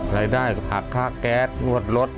รายได้ผักค่าแก๊สรถรถ